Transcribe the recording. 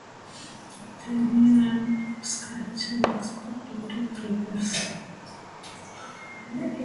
The rerun starch is next put into breakers.